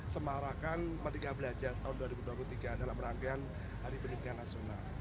semarakan merdeka belajar tahun dua ribu dua puluh tiga dalam rangkaian hari pendidikan nasional